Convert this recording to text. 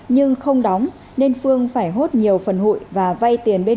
nhưng không đóng nên phương phải hút nhiều tiền